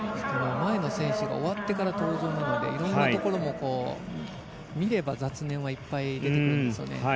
前の選手が終わってから登場なのでいろんなところも見れば、雑念はいっぱい出てくるんですよね。